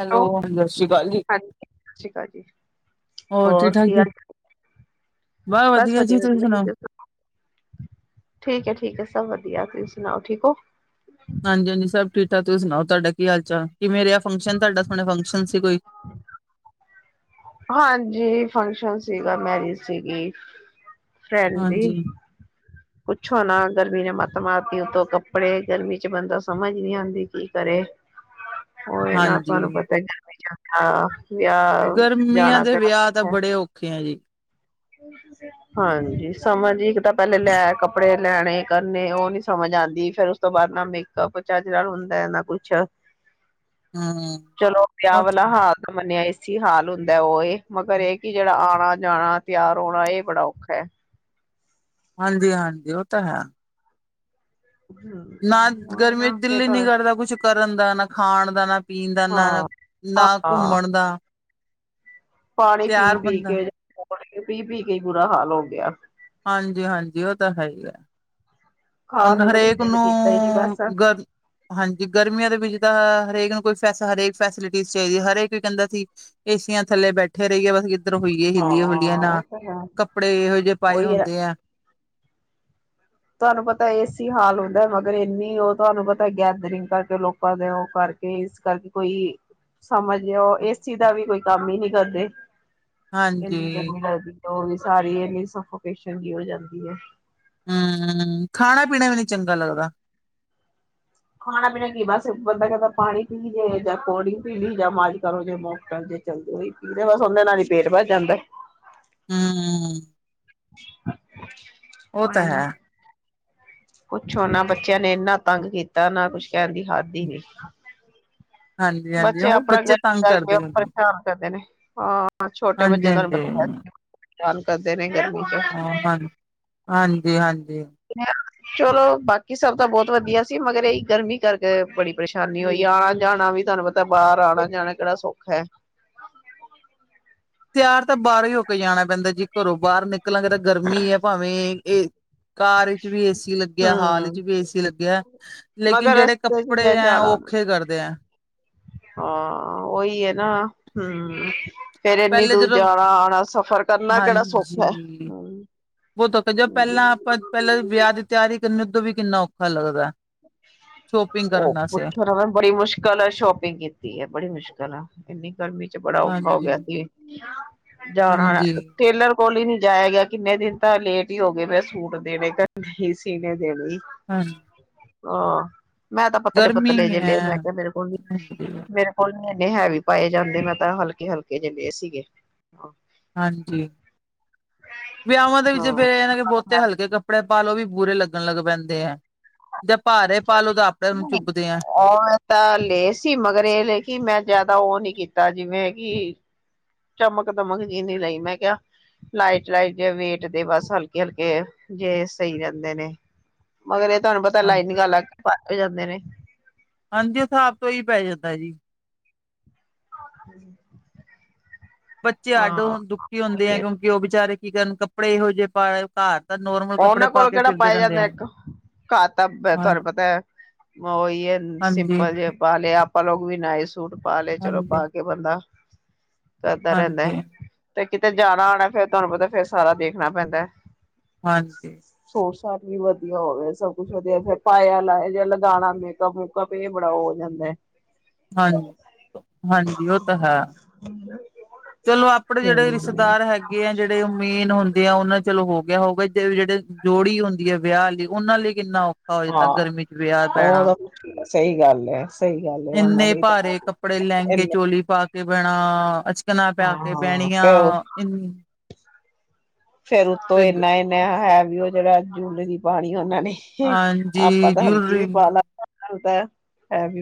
Hello ਹਾਂ ਸਤਿ ਸ੍ਰੀ ਅਕਾਲ ਜੀ ਹਾਂਜੀ ਸਤਿ ਸ਼੍ਰੀ ਅਕਾਲ ਜੀ। ਹੋਰ ਠੀਕ ਠਾਕ ਕੀ ਜੀ ਹਾਲ ਚਾਲ? ਬਸ ਵਧੀਆ ਜੀ ਤੁਸੀ ਸੁਣਾਓ ਠੀਕ ਹੈ ਠੀਕ ਹੈ ਸਭ ਵਧੀਆ ਤੁਸੀਂ ਸੁਣਾਓ ਠੀਕ ਹੋ ਫਿਰ ਤਾਂ ਤੁਸੀਂ ਸੁਣਾਓ ਤੁਹਾਡਾ ਕੀ ਹਾਲ ਚਾਲ ਕੀ ਮੇਰੇ ਆ ਫੰਕਸ਼ਨ ਤੁਹਾਡਾ ਸਹਣੇ ਫੰਕਸ਼ਨ ਸੀ ਕੋਈ ਹਾਂਜੀ ਫੰਕਸ਼ਨ ਸੀਗਾ ਮੈਰਿਜ ਸੀਗੀ ਫਰੈਂਡਲੀ ਹਾਂਜੀ ਪੁੱਛੋ ਨਾ ਗਰਮੀ ਨੇ ਮੱਤ ਮਤੀ ਉੱਤੋਂ ਕੱਪੜੇ ਗਰਮੀ ਚ ਬੰਦਾ ਸਮਝ ਨੀ ਆਉਂਦੀ ਕੀ ਕਰੇ ਹੋ ਨਾ ਹਾਂਜੀ ਤੁਹਾਨੂੰ ਪਤਾ ਹ ਵਿਆ ਗਰਮੀਆਂ ਜਾਣਾ ਦੇ ਕਿੜਾ ਵਿਆਹ ਤਾਂ ਸੌਖਾ ਏ ਬੜੇ ਔਖੇ ਆ ਜੀ ਹਾਂਜੀ ਸਮਾਂ ਜੀ ਇੱਕ ਤਾਂ ਪਹਿਲੇ ਲੈ ਕੱਪੜੇ ਲੈਣੇ ਕਰਨੇ ਉਹ ਨਿ ਸਮਝ ਆਉਂਦੀ ਫੇਰ ਉਸ ਤੋਂ ਬਾਅਦ ਨਾ ਮੇਕਅਪ ਚੱਜ ਹੁੰਦਾ ਨਾ ਕੁਛ ਹਮ ਚਲੋ ਵਿਆਹ ਵਾਲਾ ਹਾਲ ਤਾਂ ਮੰਨਿਆ ਇ ਸੀ ਹਾਲ ਹੁੰਦਾ ਉਹ ਇਹ ਮਗਰ ਇਹ ਕਿ ਜਿਹੜਾ ਆਉਣਾ ਜਾਣਾ ਤਿਆਰ ਹੋਣਾ ਇਹ ਬੜਾ ਔਖਾ ਹੈ ਹਾਂਜੀ ਹਾਂਜੀ ਉਹ ਤਾਂ ਹੈ ਨਾ ਹੂੰ ਗਰਮੀ ਚ ਨਾ ਦਿਲ ਫਿਰ ਹੀ ਤਾਂ ਨੀ ਕਰਦਾ ਕੁਛ ਕਰਨ ਦਾ ਨਾ ਖਾਣ ਦਾ ਨਾ ਪੀਣ ਦਾ ਨਾ ਹਾਂ ਨਾ ਹਾਂ ਘੁੰਮਣ ਦਾ ਪਾਣੀ ਪੀ ਤਿਆਰ ਪੀ ਬੰਦਾ ਕੇ [unintelligible] ਕੇ ਪੀ ਪੀ ਕੇ ਬੁਰਾ ਹਾਲ ਹੋ ਗਿਆ ਹਾਂਜੀ ਹਾਂਜੀ ਉਹ ਤਾਂ ਹੈ ਹੀ ਹੈ ਖਾਣ ਹੁਣ ਤਾਂ ਕੁੱਝ ਹਰੇਕ ਦਿਲ ਨੂੰ ਕੀਤਾ ਹੀ ਨੀ ਬਸ ਹਾਂ ਗਰ ਹਾਂਜੀ ਗਰਮੀਆਂ ਦੇ ਵਿੱਚ ਤਾਂ ਹਰੇਕ ਨੂੰ ਕੋਈ ਫੈ ਹਰੇਕ ਫੈਸਿਲਿਟੀ ਚਾਹੀਦੀ ਹਰੇਕ ਕਹਿੰਦਾ ਸੀ ਏਸੀਆਂ ਥੇ ਬੈਠੇ ਰਹੀਏ ਬਸ ਕਿੱਧਰ ਹੋਈਏ ਹਿੱਲੀ ਹੁਲੀਆਂ ਉਹ ਨਾ ਤਾਂ ਹੈ ਕੱਪੜੇ ਇਹੋ ਜਿਹੇ ਪਾਏ ਉਹੀ ਹੈ। ਹੁੰਦੇ ਆ ਤੁਹਾਨੂੰ ਪਤਾ ਏਸੀ ਹਾਲ ਹੁੰਦਾ ਮਗਰ ਇੰਨੀ ਉਹ ਤੁਹਾਨੂੰ ਪਤਾ ਗੈਦਰਿੰਗ ਕਰਕੇ ਲੋਕਾਂ ਦੇ ਉਹ ਕਰ ਕਰਕੇ ਇਸ ਕਰਕੇ ਕੋਈ ਸਮਝਦੇਓ ਇਸ ਚੀਜ਼ ਦਾ ਵੀ ਕੋਈ ਕੰਮ ਹੀ ਨੀ ਕਰਦੇ ਹਾਂਜੀ ਇਨਿ ਗਰਮੀ ਲਗਦੀ ਉਹ ਵੀ ਸਾਰੀ ਇਨੀ ਸਫੋਕੇਸ਼ਨ ਜੀ ਹੋ ਜਾਂਦੀ ਹੈ ਹਮ ਖਾਣਾ ਪੀਣਾ ਵੀ ਨਹੀਂੀ ਚੰਗਾ ਲੱਗਦਾ ਖਾਣਾ ਪੀਣਾ ਕੀ ਬਸ ਬੰਦਾ ਕਹਦਾ ਪਾਣੀ ਪੀ ਜੇ ਜਾਂ ਕੋਲਡ ਡਰਿੰਕ ਪੀ ਲਈ ਜਾਂ ਮੌਜ ਕਰੋ ਮੋਕਟੇਲ ਦੀ ਚ ਬਸ ਉਹਦੇ ਨਾਲ ਹੀ ਪੇਟ ਭੱਰ ਜਾਂਦਾ ਹਮ ਹਮ [unintelligible] ਉਹ ਤਾਂ ਓਏ ਨਾ ਹੈ ਪੁੱਛੋ ਨਾ ਬੱਚਿਆਂ ਨੇ ਇੰਨਾ ਤੰਗ ਕੀਤਾ ਨਾ ਕੁਛ ਕਹਿਣ ਦੀ ਹਾਦ ਹੀ ਨੀ ਹਾਂਜੀ ਹਾਂਜੀ ਬੱਚੇ ਉਹ ਆਪਣਾ ਗਰ ਤੰਗ ਕਰਕੇ ਕਰਦੇ ਉਹ ਹਾਂਜੀ ਪਰੇਸ਼ਾਨ ਕਰਦੇ ਨੇ ਆਹ ਹਾਂ ਛੋਟੇ ਹਾਂਜੀ ਬੱਚੇ ਤੁਹਾਨੂੰ ਪਤਾ ਤੇ ਹੈ ਪਰੇਸ਼ਾਨ ਕਰਦੇ ਹੈ ਨੇ ਗਰਮੀ ਚ ਹਾਂ ਹਾਂ ਹਾਂਜੀ ਹਾਂਜੀ ਚਲੋ ਬਾਕੀ ਸਭ ਤਾਂ ਬਹੁਤ ਵਧੀਆ ਸੀ ਮਗਰ ਇਹ ਗਰਮੀ ਕਰਕੇ ਬੜੀ ਪਰੇਸ਼ਾਨੀ ਹੋਈ ਆਣਾ ਜਾਣਾ ਵੀ ਤੁਹਾਨੂੰ ਪਤਾ ਬਾਹਰ ਆਉਣਾ ਜਾਣਾ ਕਿਹੜਾ ਸੌਖਾ ਹੈ ਤਿਆਰ ਤਾਂ ਬਾਹਰੋਂ ਹੀ ਹੋ ਕੇ ਜਾਣਾ ਪੈਂਦਾ ਜੀ ਘਰੋਂ ਬਾਹਰ ਨਿਕਲਾਂਗੇ ਤਾਂ ਗਰਮੀ ਹੈ ਭਾਵੇਂ ਇਹ ਕਾਰ ਚ ਵੀ ਏਸੀ ਲੱਗਿਆ ਹਾਲ ਹਮ ਚ ਵੀ ਏਸੀ ਲੱਗਿਆ ਲੇਕਿਨ ਮਗਰ ਜਿਹੜੇ ਰਸਤੇ ਚ ਕੱਪੜੇ ਜ ਹੈ ਉਹ ਜਾਣਾ ਔਖੇ ਕਰਦੇ ਐ। ਹਾਂ, ਓਹੀ ਐ ਨਾ ਹੂੰ, ਫੇਰ ਇੰਨੀ ਪਹਿਲੇ ਦੂਰ ਜਦੋਂ ਜਾਣਾ ਆਣਾ ਸਫ਼ਰ ਕਰਨਾ ਕਿਹੜਾ ਸੌਖਾ। ਹਾਂਜੀ [unintelligible] ਪਹਿਲਾਂ ਆਪਾਂ ਪਹਿਲਾਂ ਵਿਆਹ ਦੀ ਤਿਆਰੀ ਕਿੰਨੇ ਤੋਂ ਵੀ ਕਿੰਨਾ ਔਖਾ ਲੱਗਦਾ। ਸ਼ੋਪਿੰਗ ਕਰਨ ਉਹ ਵਾਸਤੇ ਪੁੱਛੋ ਨਾ ਮੈਂ ਬੜੀ ਮੁਸ਼ਕਿਲ ਆ ਸ਼ੋਪਿੰਗ ਕੀਤੀ ਆ ਬੜੀ ਮੁਸ਼ਕਿਲ ਆ ਐਨੀ ਗਰਮੀ ਚ ਬੜਾ ਔਖਾ ਹੋ ਹਾਂਜੀ ਗਿਆ ਸੀ ਜਾਣਾ ਹਾਂਜੀ ਟੇਲਰ ਕੋਲ ਹੀ ਨਹੀਂ ਜਾਇਆ ਗਿਆ ਕਿੰਨੇ ਦਿਨ ਤਾਂ ਲੇਟ ਹੀ ਹੋ ਗਏ ਮੇਰੇ ਸੂਟ ਦੇਣੇ ਸੀਣੇ ਦੇਣੇ ਈ ਹਾਂਜੀ ਆ ਮੈਂ ਤਾਂ ਪਤਲੇ ਪਤਲੇ ਜੇ ਗਰਮੀ ਹੈ ਲਏ ਮੈਂ ਕਿਹਾ ਮੇਰੇ ਕੋਲ ਨੀ ਹਾਂਜੀ ਮੇਰੇ ਕੋਲ ਇੰਨੇ ਹੈਵੀ ਪਾਏ ਜਾਂਦੇ ਮੈਂ ਤਾਂ ਹਲਕੇ ਹਲਕੇ ਜੇ ਲਏ ਸੀਗੇ ਹਾਂ ਹਾਂਜੀ, ਵਿਆਹਾਂ ਦੇ ਵਿੱਚ ਫੇਰ [unintelligible] ਬਹੁਤੇ ਹਲਕੇ ਕੱਪੜੇ ਪਾ ਲਓ ਓਹ ਵੀ ਬੁਰੇ ਲੱ ਗਣ ਲੱਗ ਪੈਂਦੇ ਐ। ਓਵੇਂ ਤਾਂ ਲਏ ਸੀ ਮਗਰ ਇਹ ਲੇ ਕੀ ਮੈਂ ਜ਼ਿਆਦਾ ਉਹ ਨੀ ਕੀਤਾ ਜਿਵੇਂ ਕਿ ਚਮਕ ਦਮਕ ਜੀ ਨੀ ਲਈ ਮੈਂ ਕਿਹਾ ਲਾਈਟ ਲਾਈਟ ਜਾ ਵੇਟ ਦੇ ਬਸ ਹਲਕੇ ਹਲਕੇ ਜੇ ਸਈ ਰਹਿੰਦੇ ਨੇ। ਮਗਰ ਇਹ ਤੁਹਾਨੂੰ ਪਤਾ ਹਾਂ ਲਾਈਨਿੰੰਗ ਲੱਗ ਕੇ ਭਾਰੀ ਹੋ ਜਾਂਦੇ ਨੇ। ਹਾਂਜੀ, ਹਿਸਾਬ ਤੋਂ ਓਹੀ ਪੈ ਜਾਂਦਾ ਜੀ। ਹਾਂ, ਬੱਚੇ ਅੱਡ ਓਹ ਹੁੱਣ ਦੁਖੀ ਹੁੰਦੇ ਉਹੀ ਆ ਕਿਉਂਕਿ ਉਹ ਬਚਾਰੇ ਕੀ ਕਰਨ ਕੱਪੜੇ ਇਹੋ ਜਿਹੇ ਪਾਲੇ ਘਰ। ਤਾਂ ਨੋਰਮਲ ਕੱਪੜੇ ਉਹਨਾਂ ਪਾ ਕੋਲ ਕੇ ਕਿਹੜਾ ਫਿਰਦੇ ਪਾਏ ਰਹਿੰਦੇ ਆ ਜਾਂਦੇ ਇੱਕ ਘਰ ਤਾਂ ਹਾਂ ਤੁਹਾਨੂੰ ਪਤਾ ਓਹੀ ਐ ਹਾਂਜੀ ਸਿੰਪਲ ਜੇ ਪਾ ਲਿਆ। [unintelligible] ਨਾਈਟ ਸੂਟ ਪਾ ਲਏ ਚਲੋ ਹਾਂਜੀ ਪਾ ਕੇ ਬੰਦਾ ਏਦਾਂ ਰਹਿੰਦਾ ਹਾਂਜੀ ਤੇ ਕਿਤੇ ਜਾਣਾ ਆਣਾ ਫਿਰ ਤੁਹਾਨੂੰ ਪਤਾ ਫੇਰ ਸਾਰਾ ਦੇਖਣਾ ਪੈਂਦਾ। ਹਾਂਜੀ। ਸੂਟ ਸਾਟ ਵੀ ਵਧੀਆ ਹੋਵੇ ਸਭ ਕੁੱਛ ਵਧੀਆ ਫਿਰ ਪਾਇਆ ਲਾਇਆ ਜਾ ਲਗਾਣਾ ਮੇਕਅਪ ਮੂਕਅਪ ਇਹ ਬੜਾ ਹੋ ਜਾਂਦਾ। ਹਾਂਜੀ ਹਾਂਜੀ, ਉਹ ਤਾਂ ਹੈ। ਚਲੋ ਆਪਣੇ ਜਿਹੜੇ ਹਮ ਰਿਸ਼ਤੇਦਾਰ ਹੈਗੇ ਆ ਜਿਹੜੇ ਮੇਨ ਹੁੰਦੇ ਆ ਹੁਣ ਚਲੋ ਹੋ ਗਿਆ ਹੋਊਗਾ ਜੇ ਜਿਹੜੇ ਜੋੜੀ ਹੁੰਦੀ ਆ ਵਿਆਹ ਲਈ ਉਹਨਾਂ ਲਈ ਕਿੰਨਾ [unintelligible] ਹਾਂ ਗਰਮੀ ਚ ਵਿਆਹ ਉਹ ਪੈਣਾ ਤਾਂ ਸਹੀ ਗੱਲ ਹੈ ਸਹੀ ਗੱਲ ਹੈ ਉਹਨਾਂ ਇੰਨੇ ਲਈ ਤਾਂ ਭਾਰੇ ਕੱਪੜੇ ਲਹਿੰਗੇ ਚੋਲੀ ਪਾ ਕੇ ਬਹਿਣਾ, ਅਚਕਨਾ ਪਾ ਕੇ ਹਾਂ ਬਹਿਣੀਆਂ ਫੇਰ ਫੇਰ ਉੱਤੋਂ ਫਿਰ ਇੰਨਾ ਇੰਨਾ ਹੈਵੀ ਉਹ ਜਿਹੜਾ ਜੂਲਰੀ ਪਾਣੀ ਓਹਨਾਂ ਨੇ। ਆਪਾਂ ਹਾਂਜੀ ਤਾਂ ਹਲਕੀ ਜੂਲਰੀ ਵੀ ਪਾ ਲਾ ਤਾਂ [unintelligible]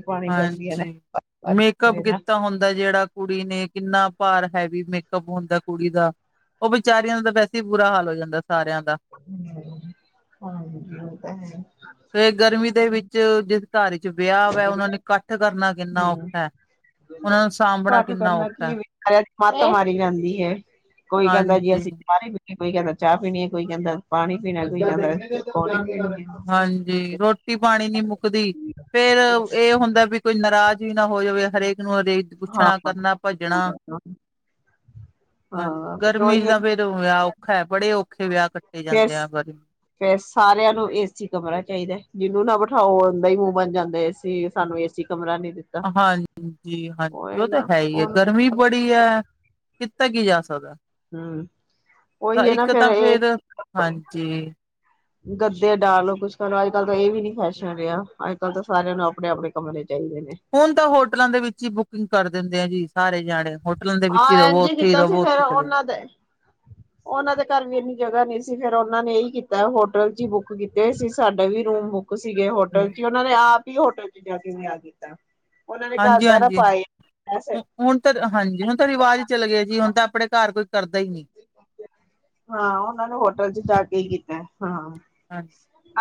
ਪਾਣੀ ਪੈਂਦੀਆਂ ਨੇ ਹਾਂਜੀ, ਮੇਕਅੱਪ ਨਾ ਕੀਤਾ ਹੁੰਦਾ ਜਿਹੜਾ ਕੁੜੀ ਨੇ ਕਿੰਨਾ ਭਾਰ ਹੈਵੀ ਮੇਕਅਪ ਹੁੰਦਾ ਕੁੜੀ ਦਾ ਉਹ ਵਿਚਾਰੀਆਂ ਦਾ ਤਾਂ ਵੈਸੇ ਹੀ ਬੁਰਾ ਹਾਲ ਹੋ ਜਾਂਦਾ। ਹੂੰ। ਫਿਰ ਗਰਮੀ ਦੇ ਵਿੱਚ ਜਿਸ ਘਰ ਵਿੱਚ ਵਿਆਹ ਉਹਨਾਂ ਨੇ ਕੱਠ ਕਰਨਾ ਕਿੰਨਾ ਹਮ ਔਖਾ। ਉਹਨਾਂ ਨੂੰ ਸਾਂਭਣਾ ਪਾਠ ਕਿੰਨਾ ਕਰਨਾ ਔਖਾ ਕੀ ਹੈ [unintelligible] ਮੱਤ ਮਾਰੀ ਜਾਂਦੀ ਐ। ਕੋਈ ਕਹਿੰਦਾ ਜੀ ਹਾਂਜੀ। ਅਸੀਂ ਚਾਹ ਨੀ ਪੀਣੀ, ਕੋਈ ਕਹਿੰਦਾ ਚਾਹ ਪੀਣੀ ਐ, ਕੋਈ ਕਹਿੰਦਾ ਪਾਣੀ ਪੀਣਾ, ਕੋਈ ਕਹਿੰਦਾ ਪ ਹਾਂਜੀ, ਰੋਟੀ ਪਾਣੀ ਨੀ ਮੁੱਕਦੀ ਫੇਰ ਇਹ ਹੁੰਦਾ ਵੀ ਕੋਈ ਨਰਾਜ਼ ਹੀ ਨਾ ਹੋ ਹੋ ਜਾਵੇ ਹਰੇਕ ਨੂੰ [unintelligible] ਹਾਂ ਪੁੱਛਣਾ, ਕਰਨਾ, ਭੱਜਣਾ, [unintelligible] ਹੂੰ, ਹਾਂ ਫਿਰ ਗਰਮੀ ਚ ਉਹੀ ਹੈ ਤਾਂ ਫੇਰ ਵਿਆਹ ਔਖਾ ਬੜੇ ਔਖੇ ਵਿਆਹ ਕੱਟੇ ਜਾਂਦੇ ਆ ਗਰਮੀ ਫਿਰ ਸਾਰਿਆਂ ਨੂੰ ਏ ਸੀ, ਕਮਰਾ ਚਾਹੀਦਾ ਜਿਹਨੂੰ ਨਾ ਬਿਠਾਓ ਉਹਦਾ ਹੀ ਮੂੰਹ ਬਣ ਜਾਂਦਾ ਏਸੀ ਸਾਨੂੰ ਏਸੀ ਕਮਰਾ ਨੀ ਦਿੱਤਾ ਹਾਂਜੀ ਹਾਂਜੀ, ਉਹੀ ਉਹ ਤਾਂ ਨਾ ਹੈਈ ਐ ਹਮ ਗਰਮੀ ਬੜੀ ਐ। [unintelligible] ਜਾ ਸਕਦਾ ਤਾਂ ਉਹੀ ਹੈ ਨਾ ਇੱਕ ਤਾਂ ਇਹ ਫੇਰ ਹਾਂਜੀ ਗੱਦੇ ਡਾਲੋ ਕੁੱਛ ਕਰੋ ਅੱਜ ਕੱਲ ਤਾਂ ਇਹ ਵੀ ਨੀ ਫੈਸ਼ਨ ਰਿਹਾ ਅੱਜ ਕੱਲ ਤਾਂ ਸਾਰਿਆਂ ਨੂੰ ਆਪਣੇ ਆਪਣੇ ਕਮਰੇ ਚ ਹੁਣ ਤਾਂ ਹੋਟਲਾਂ, ਦੇ ਵਿੱਚ ਹੀ ਬੁਕਿੰਗ ਕਰ ਦਿੰਦੇ ਆ ਜੀ ਸਾਰੇ ਜਾਣੇ। ਹੋਟਲਾਂ ਦੇ ਹਾਂ ਵਿੱਚ ਰਵੋ ਐਂਜ ਹੀ ਉੱਥੇ ਕੀਤਾ ਸੀ, ਰਵੋ ਫਿਰ ਉੱਥੇ ਚਲੇ ਉਹਨਾਂ ਦੇ ਉਹਨਾਂ ਦੇ ਘਰ ਵੀ ਇਨੀ ਜਗ੍ਹਾ ਨਹੀਂ ਸੀ। ਫਿਰ, ਉਹਨਾ ਨੇ ਇਹੀ ਕੀਤਾ ਹੋਟਲ ਚ ਹੀ ਬੁੱਕ ਕੀਤੇ ਸੀ, ਸਾਡੇ ਵੀ ਰੂਮ ਬੁੱਕ ਸੀ ਗੇ ਜਾਓ ਹੋਟਲ ਚ, ਉਹਨਾਂ ਨੇ ਆਪ ਹੀ ਹੋਟਲ ਚ ਜਾ ਕੇ ਵਿਆਹ ਕੀਤਾ। ਉਹਨਾਂ ਨੇ ਘਰ ਹਾਂਜੀ ਦਾ ਨਾ ਹਾਂਜੀ ਪਾਏ ਵੈਸੇ ਹੁ ਹੁਣ ਤਾਂ ਹੁਣ ਤਾਂ ਰਿਵਾਜ਼ ਚਲੇ ਗਿਆ ਜੀ, ਹੁਣ ਤਾਂ ਆਪਣੇ ਘਰ ਕੋਈ ਕਰਦਾ ਹੀ ਨਹੀਂ ਹਾਂ, ਉਹਨਾਂ ਨੇ ਹੋਟਲ ਚ ਜਾ ਕੇ ਹੀ ਕੀਤਾ। ਹਾਂ। ਹਮ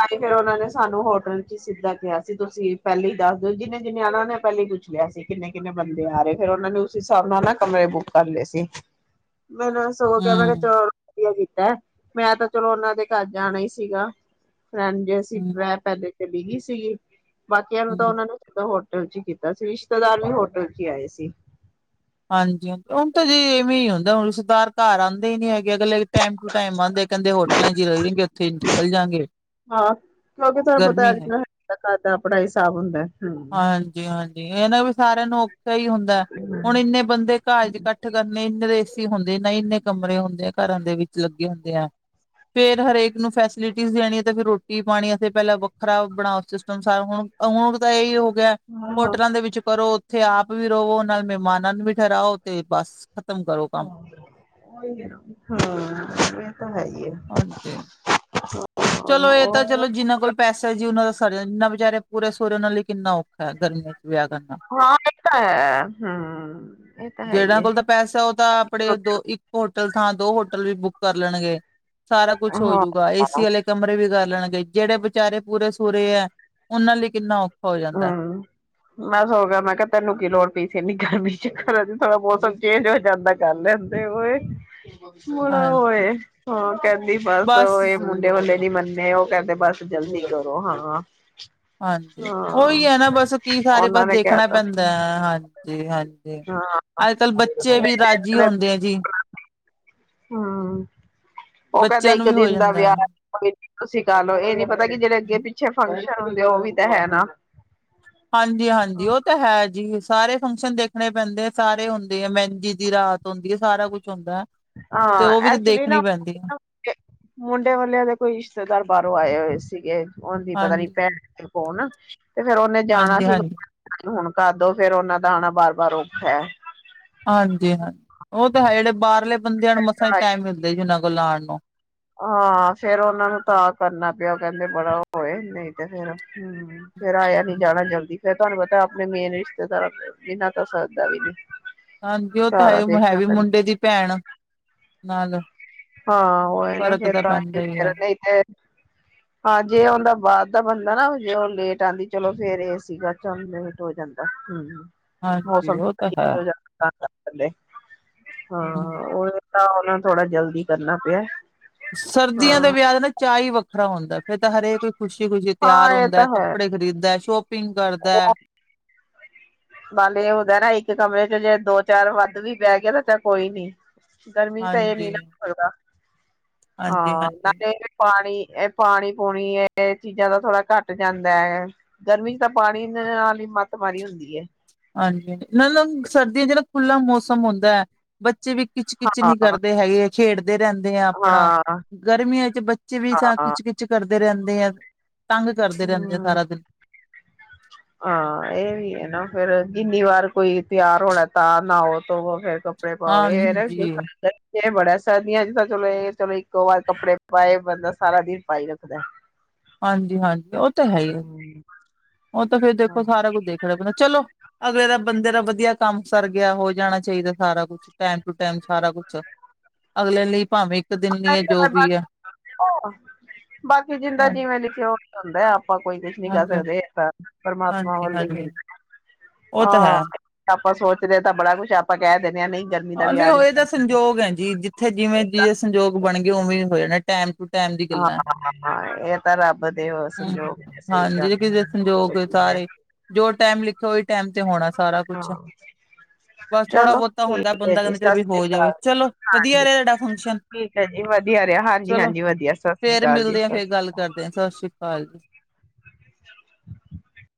ਫਿਰ, ਉਹਨਾਂ ਨੇ ਸਾਨੂੰ ਹੋਟਲ ਚ ਹੀ ਸਿੱਧਾ ਕਿਹਾ ਸੀ, ਤੁਸੀਂ ਪਹਿਲੇ ਹੀ ਦੱਸ ਦਿਓ, ਜਿੰਨੇ- ਜਿੰਨੇ ਆਨਾ ਉਹਨਾਂ ਨੇ ਪਹਿਲੇ ਹੀ ਪੁੱਛ ਲਿਆ ਸੀ। ਕਿੰਨੇ- ਕਿੰਨੇ ਬੰਦੇ ਆ ਰਹੇ, ਫਿਰ ਉਹਨਾ ਨੇ ਉਸ ਹਿਸਾਬ ਨਾਲ ਨਾ ਕਮਰੇ ਬੁੱਕ ਕਰ ਲਏ ਸੀ ਮੈਨੂੰ ਸਗੋਂ ਕਿਹਾ, ਮੈਂ ਕਿਹਾ ਚਲੋ ਵਧੀਆ ਕੀਤਾ, ਮੈਂ ਤਾਂ ਚਲੋ ਉਹਨਾਂ ਦੇ ਘਰ ਜਾਣਾ ਹੀ ਸੀਗਾ। ਫਰੈਂਡ ਜੇ ਅਸੀਂ ਪਹਿਲੇ ਚਲੀ ਗਈ ਸੀਗੀ ਬਾਕੀਆਂ ਨੂੰ ਹਮ ਤਾਂ ਉਹਨਾ ਨੂੰ ਸਿੱਧਾ ਹੋਟਲ ਹੋਟਲ ਚ ਹੀ ਕੀਤਾ ਸੀ, ਰਿਸ਼ਤੇਦਾਰ ਨੇ ਹੋਟਲ ਚ ਹੀ ਆਏ ਸੀ। ਹਾਂਜੀ ਹਾਂ, ਹੁਣ ਤਾਂ ਜੀ ਇਵੇਂ ਹੀ ਹੁੰਦਾ, ਹੁਣ ਰਿਸ਼ਤੇਦਾਰ ਘਰ ਆਉਂਦੇ ਹੀ ਨੀ ਹੈਗੇ। ਅਗਲੇ ਟਾਈਮ ਟੂ ਟਾਈਮ ਆਂਦੇ, ਕਹਿੰਦੇ ਹੋਟਲਾਂ ਚ ਰਹਿਣਗੇ ਉੱਥੇ ਨਿਕਲ ਜਾਂਗੇ। ਹਾਂ ਕਿਉਂਕਿ ਤੁਹਾਨੂੰ ਪਤਾ ਗਰਮੀ ਅੱਜ ਹੈ ਕੱਲ ਹਰ ਇਕ ਘਰ ਦਾ ਅਪਣਾ ਹਿਸਾਬ ਹੁੰਦਾ। ਹੂੰ। ਹਾਂਜੀ -ਹਾਂਜੀ, ਇਹ ਨਾ ਵੀ ਸਾਰਿਆਂ ਨੂੰ ਸਹੀ ਹੁੰਦਾ, ਹੁਣ ਇੰਨੇ ਬੰਦੇ ਘਰ ਚ ਇਕੱਠੇ ਕਰਨੇ, ਇੰਨੇ ਤਾਂ ਏਸੀ ਹੁੰਦੇ ਨੀ ਇੰਨੇ ਕਮਰੇ ਹੁੰਦੇ ਆ, ਘਰਾਂ ਦੇ ਵਿੱਚ ਲੱਗੇ ਹੁੰਦੇ ਆ ਫੇਰ ਹਰੇਕ ਨੂੰ ਫੈਸਿਲਿਟੀ ਦੇਣੀ ਤੇ ਫਿਰ ਰੋਟੀ, ਪਾਣੀ ਅਸੀੇ ਪਹਿਲਾਂ ਵੱਖਰਾ ਬਣਾਓ ਸਿਸਟਮ ਸਾਰਾ ਹੁਣ, ਹੁਣ ਦਾ ਇਹੀ ਹੋ ਗਿਆ, ਹਾਂ ਹੋਟਲਾਂ ਦੇ ਵਿੱਚ ਕਰੋ। ਉਥੇ ਆਪ ਵੀ ਰਵੋ, ਨਾਲ ਮਹਿਮਾਨਾਂ ਨੂੰ ਵੀ ਠਹਿਰਾਓ ਤੇ ਬਸ ਖ਼ਤਮ ਕਰੋ ਕੰਮ ਹਾਂ ਇਹ ਤਾਂ ਹੈ। ਹੈ ਹਾਂਜੀ। ਚਲੋ ਇਹ ਤਾਂ ਉਹ ਚਲੋ ਜਿੰਨਾਂ ਕੋਲ ਪੈਸਾ ਜੀ, ਉਹਨਾਂ ਦਾ ਸਰਿਆ ਜਿੰਨਾ ਵਿਚਾਰੇ ਪੂਰੇ ਸੁਰੇ ਉਹਨਾਂ ਲਈ ਕਿੰਨਾ ਔਖਾ ਹੈ, ਗਰਮੀ ਚ ਵਿਆਹ ਕਰਨਾ ਹਾਂ ਇਹ ਤਾਂ ਹੈ ਹਮ ਇਹ ਤਾਂ ਹੈ ਹੀ ਜਿਨਾਂ ਹੈ ਕੋਲ ਤਾਂ ਪੈਸਾ, ਉਹ ਤਾਂ ਆਪਣੇ ਦੋ ਇੱਕ ਹੋਟਲ ਥਾਂ ਦੋ ਹੋਟਲ ਵੀ ਬੁੱਕ ਕਰ ਲੈਣਗੇ, ਸਾਰਾ ਕੁੱਛ ਹਾਂ ਹੋਜੂਗਾ ਏਸੀ ਵਾਲੇ ਕਮਰੇ ਵੀ ਕਰ ਲੈਣਗੇ, ਜਿਹੜੇ ਵਿਚਾਰੇ ਪੂਰੇ -ਸੁਰੇ ਹੈ ਉਹਨਾਂ ਲਈ ਕਿੰਨਾ ਔਖਾ। ਹੋ ਜਾਂਦਾ ਹਮ ਮੈਂ ਸਗੋਂ ਕਿਹਾ, ਮੈਂ ਕਿਹਾ ਤੈਨੂੰ ਕੀ ਲੋੜ ਪਈ ਸੀ ਇਨੀਂ ਗਰਮੀ ਚੱਕਰ ਹੈ ਜੀ, ਥੋੜਾ ਮੌਸਮ ਚੇਂਜ ਹੋ ਜਾਂਦਾ ਕਰ ਲੈਂਦੇ ਹੋ। ਮੁੜਾ ਹਾਂਜੀ ਹੋਏ ਉਹ ਕਹਿੰਦੀ ਬਸ ਉਹ ਏ ਮੁੰਡੇ ਵਾਲੇ ਨੀ ਮੰਨੇ ਉਹ ਕਹਿੰਦੇ, ਬਸ ਜਲਦੀ ਕਰੋ ਹਾਂ। ਹਾਂਜੀ ਉਹੀ ਹਾਂ ਹੈ ਨਾ, ਬਸ ਕੀ ਸਾਰੇ ਉਹਨਾਂ ਪਾਸੇ ਨੇ ਕਹਿ ਦੇਖਣਾ ਤਾ ਪੈਂਦਾ ਹੈ, ਹਾਂਜੀ। ਜੀ ਹਾਂਜੀ, ਹਾਂ ਅੱਜ -ਕੱਲ ਬੱਚੇ ਵੀ ਰਾਜੀ ਹੁੰਦੇ ਆ ਜੀ। ਹਮ ਉਹ ਕਹਿੰਦੇ ਬੱਚਿਆਂ ਨੂੰ ਇੱਕ ਵੀ ਹੋ ਦਿਨ ਦਾ ਜਾਂਦਾ ਵਿਆਹ ਹੈ ਤੁਸੀਂ ਕਰ ਲਓ, ਇਹ ਨੀ ਪਤਾ ਕਿ ਜਿਹੜੇ ਅੱਗੇ ਪਿੱਛੇ ਫੰਕਸ਼ਨ ਹੁੰਦੇ ਉਹ ਵੀ ਤਾਂ ਹੈ ਨਾ। ਹਾਂਜੀ -ਹਾਂਜੀ, ਉਹ ਤਾਂ ਹੈ ਜੀ। ਸਾਰੇ ਫੰਕਸ਼ਨ ਦੇਖਣੇ ਪੈਂਦੇ ਆ, ਸਾਰੇ ਹੁੰਦੇ ਆ ਮਹਿੰਦੀ ਦੀ ਰਾਤ। ਹੁੰਦੀ ਹੈ, ਸਾਰਾ ਕੁਛ ਹੁੰਦਾ, ਤੇ ਹਾਂ ਉਹ ਵੀ ਤਾਂ ਐਕਚੁਲੀ ਦੇਖਣੀ ਨਾ ਪੈਂਦੀ ਹੈ। ਮੁੰਡੇ, ਵਾਲਿਆਂ ਦੇ ਕੋਈ ਰਿਸ਼ਤੇਦਾਰ ਬਾਹਰੋਂ ਆਏ ਹੋਏ ਸੀ। ਸੀਗੇ, ਉਹ ਦੀ ਪਤਾ ਨੀ ਹਾਂਜੀ, ਭੈਣ ਕੇ ਕੌਣ ਤੇ ਫੇਰ ਉਹਨੇ ਜਾਣਾ ਸੀਗਾ। ਹਾਂਜੀ-ਹਾਂਜੀ, ਹੁਣ ਕਰਦੋ, ਫਿਰ ਉਹਨਾਂ ਦਾ ਆਣਾ ਬਾਰ -ਬਾਰ ਔਖਾ ਹੈ। ਹਾਂਜੀ- ਹਾਂਜੀ, ਉਹ ਤਾਂ ਹੈ ਜਿਹੜੇ ਬਾਹਰਲੇ ਬੰਦਿਆਂ ਨੂੰ ਮਸਾਂ ਟਾਈਮ ਮਿਲਦਾ ਜੀ, ਉਹਨਾਂ ਕੋਲ ਆਉਣ ਨੂੰ। ਹਾਂ ਫੇਰ ਉਹਨਾ ਨੂੰ ਤਾਂ ਕਰਨਾ ਪਿਆ, ਕਹਿੰਦੇ ਬੜਾ ਉਹ ਏ ਨਹੀਂ ਤੇ ਫੇਰ ਹਮ ਫੇਰ ਆਇਆ ਨੀ ਜਾਣਾ ਜਲਦੀ, ਫੇਰ ਤੁਹਾਨੂੰ ਪਤਾ ਆਪਣੇ ਮੇਨ ਰਿਸ਼ਤੇਦਾਰਾਂ ਬਿਨਾਂ ਤਾਂ ਸਰਦਾ ਵੀ ਨੀ। ਹਾਂਜੀ, ਉਹ ਸਾਰਾ ਤਾਂ ਹੈ ਦੇਖਣਾ ਵੀ ਪੈਂਦਾ ਮੁੰਡੇ ਦੀ ਭੈਣ, ਨਾਲ। ਹਾਂ ਉਹੀ ਨਾ ਫ਼ਰਕ ਫਿਰ ਤਾਂ ਫ ਪੈਂਦਾ ਹੀ ਆ ਤੇ ਹਾਂ, ਜੇ ਉਹਦਾ ਬਾਹਰ ਦਾ ਬਣਦਾ ਨਾ। ਜੇ ਉਹ ਲੇਟ ਆਉਂਦੀ, ਚਲੋ ਫੇਰ ਇਹ ਸੀਗਾ ਚਲ ਲੇਟ ਹੋ ਜਾਂਦਾ ਹਮ। ਹਾਂਜੀ ਮੌਸਮ ਉਹ ਤਾਂ ਹੈ। ਹੋ ਜਾਂਦਾ ਹਾਂ ਤਾਂ ਹਮ। ਉਹ ਥੋੜਾ ਜਲਦੀ ਕਰਨਾ ਪਿਆ। ਸਰਦੀਆਂ ਦੇ ਹਾਂ ਵਿਆਹ ਨਾ ਚਾਹ ਹੀ ਵੱਖਰਾ ਹੁੰਦਾ ਫਿਰ ਤਾਂ ਹਰੇਕ ਖੁਸ਼ੀ ਖੁਸ਼ੀ ਤਿਆਰ ਹੁੰਦਾ ਹੈ ਕੱਪੜੇ ਖਰੀਦ ਦਾ ਸ਼ੋਪ। ਬੇ ਉਹਦਾ ਨਾ ਇੱਕ ਕਮਰੇ। ਜੇ ਜੇ ਦੋ ਚਾਰ ਵੱਧ ਵੀ ਬਹਿ ਗਿਆ ਤਾਂ ਚ ਕੋਈ ਨੀ ਗਰਮੀ ਚ ਤਾਂ ਇਹ ਨੀ ਹਾਂਜੀ, ਨਾ ਹੋ ਸਕਦਾ। ਹਾਂ ਹਾਂਜੀ-ਹਾਂਜੀ ਨਾਲੇ ਪਾਣੀ ਇਹ ਪਾਣੀ ਪੂਣੀ ਇਹ ਚੀਜ਼ਾਂ ਦਾ ਥੋੜਾ ਘੱਟ ਜਾਂਦਾ ਹੈ ਗਰਮੀ। ਤਾਂ ਪਾਣੀ ਨਾਲ ਹੀ ਮੱਤ ਮਾਰੀ ਹੁੰਦੀ ਹੈ। ਹਾਂਜੀ ਹ ਨਾ ਸਰਦੀਆਂ ਜਹੜਾ ਖੁੱਲਾ ਮੌਸਮ ਹੁੰਦਾ ਹੈ ਬ ਬੱਚੇ ਵੀ ਕਿੱਚ ਕਿੱਚ ਹਾਂ, ਨਹੀਂ ਕਰਦੇ ਹੈਗੇ ਖੇਡਦੇ ਰਹਿੰਦੇ ਆ ਆਪਣਾ। ਹਾਂ, ਗਰਮੀਆਂ ਚ ਬੱਚੇ ਵੀ ਤਾਂਥ ਖਿੱਚ ਖਿੱਚ ਕਰਦੇ ਰਹਿੰਦੇ ਆ। ਤੰਗ ਕਰਦੇ ਰਹਿੰਦੇ ਆ ਹਮ ਸਾਰਾ ਦਿਨ ਹਾਂ ਇਹ ਵੀ ਹੈ ਨਾ ਫਿਰ। ਜਿੰਨੀ ਵਾਰ ਕੋਈ ਤਿਆਰ ਹੋਣਾ ਤਾਂ ਨਹਾਓ ਧੋਵੋ ਫਿਰ ਕੱਪੜੇ ਪਾਓ ਇਹ ਨਾ ਦੂ ਹਾਂਜੀ ਇਹ ਬੜਾ ਸਰਦੀਆਂ ਚ ਤਾਂ ਚਲੋ ਇਹ ਚਲੋ ਇੱਕੋ ਵਾਰ ਕੱਪੜੇ ਪਾਏ ਬੰਦਾ ਸਾਰਾ ਦਿਨ ਪਾਈ ਰੱਖਦਾ। ਹਾਂਜੀ ਹਾਂਜੀ ਉਹ ਤਾਂ ਹੈ ਹੀ। ਹੂੰ, ਉਹ ਤਾਂ ਫਿਰ ਦੇਖੋ ਹਾਂ। ਸਾਰਾ ਕੁੱਝ ਦੇਖਣਾ ਪੈਦਾ ਚਲੋ ਅਗਲੇ ਦਾ ਬੰਦੇ ਦਾ ਵਧੀਆ ਕੰਮ ਸਰ ਗਿਆ ਹੋ ਜਾਣਾ ਚਾਹੀਦਾ ਸਾਰਾ ਕੁਛ ਟਾਈਮ ਟੂ ਟਾਈਮ ਸਾਰਾ ਕੁਛ। ਅਗਲੇ ਨੇ ਬਾਕੀ ਜਿੰਦਾ ਹਾਂਜੀ ਜਿਵੇਂ ਲਿਖਿਆ ਉਹ ਹੁੰਦਾ ਆਪ। ਆਪਾਂ ਕੋਈ ਕੁਛ ਨੀ ਕਰ ਹਾਂਜੀ ਸਕਦੇ ਪਰਮਾਤਮਾ ਹਾਂਜੀ ਵੱਲ ਹਾਂਜੀ ਉਹ ਤਾਂ ਹੈ ਹਾਂ। ਆਪਾਂ ਸੋਚ ਰਹੇ ਤਾਂ ਬੜਾ ਕੁਛ ਆਪਾਂ ਕਹਿ ਰਹੇ। ਹਾਂਜੀ ਹੋਏ ਤਾਂ ਸੰਯੋਗ ਹੈ ਜੀ ਜਿੱਥੇ ਜਿਵੇਂ ਜਿਵੇਂ ਸੰਯੋਗ ਬਣ ਗ ਉਵੇਂ ਹੋ ਜਾਣੇ ਟਾਈਮ ਟੂ ਟਾਈਮ ਦੀ ਗੱਲਾਂ। ਹਾਂ ਇਹ ਤਾਂ ਰੱਬ ਦੇ ਉਹ ਹਮ, ਸੰਜੋਗ ਨੇ ਸਹੀ ਹਾਂਜੀ ਗੱਲ ਕਿਸੇ ਦੇ ਸੰਯੋਗ ਹੈ। ਸਾਰੇ ਜੋ ਟੈਮ ਲਿਖਿਆ, ਉਹੀ ਟਾਈਮ ਤੇ ਹੋਣਾ ਸਾਰਾ ਹਾਂ ਕੁਛ। ਬਸ ਥੋੜਾ ਚਲੋ ਬਹੁਤਾ ਹੁੰ ' [inaudible] ' ਠੀਕ ਹੈ ਬੰਦਾ ਜੀ ਕਹਿੰਦੇ ਚਲ ਸਤਿ ਵੀ ਸ੍ਰੀ ਹੋ ਜਾਵੇ। ਅਕਾਲ ਚਲੋ, ਵਧੀਆ ਹਾਂਜੀ ਰਿਹਾ ਹਾਡਾ ਫੰਕਸ਼ਨ। ਠੀਕ ਹੈ ਜੀ ਵਧੀਆ ਰਿਹਾ ਹਾਂਜੀ ਚਲੋ ਹਾਂਜੀ ਵਧੀਆ ਸਤਿ ਸ੍ਰੀ ਫਿਰ ਅਕਾਲ ਜੀ ਮਿਲਦੇ ਆ, ਫਿਰ ਗੱਲ ਕਰਦੇ ਆ। ਸਤਿ ਸ਼੍ਰੀ ਅਕਾਲ ਜੀ। ' [inaudible]